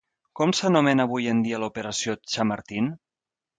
Com s'anomena avui en dia l'operació Chamartín?